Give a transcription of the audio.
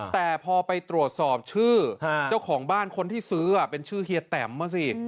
แต่พอไปตรวจสอบชื่อเจ้าของบ้านคนที่ซื้อเป็นชื่อเฮียแตมมาสิ